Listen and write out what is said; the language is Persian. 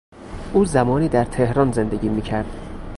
او زمانی در تهران زندگی میکرد.